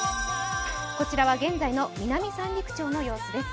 こちらは現在の南三陸町の様子です。